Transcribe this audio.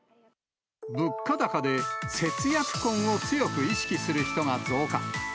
物価高で節約婚を強く意識する人が増加。